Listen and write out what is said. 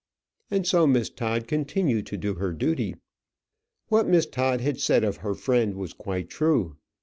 And so Miss Todd continued to do her duty. What Miss Todd had said of her friend was quite true.